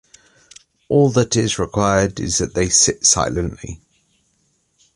All that is required is that they sit silently.